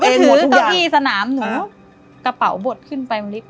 ก็ถือกะพี่สนามหนูกระเป๋าบดขึ้นไปมาลิฟท์